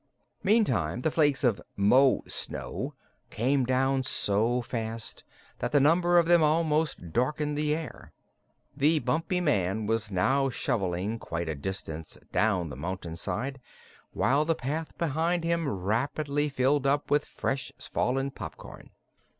Meantime the flakes of "Mo snow" came down so fast that the number of them almost darkened the air. The Bumpy Man was now shoveling quite a distance down the mountain side, while the path behind him rapidly filled up with fresh fallen popcorn.